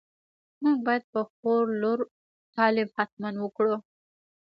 موږ باید په خور لور تعليم حتماً وکړو.